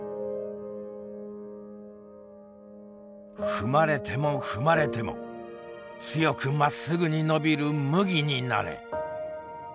「ふまれてもふまれても強くまっすぐにのびる麦になれ」。